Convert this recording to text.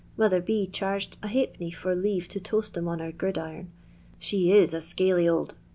Mother B. charged \d, for leave to toast *em on her gridiron. She i$ a scaly old